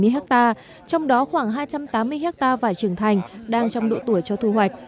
ba trăm bảy mươi ha trong đó khoảng hai trăm tám mươi ha vải trưởng thành đang trong độ tuổi cho thu hoạch